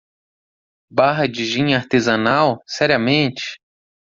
Barra de gin artesanal? seriamente?!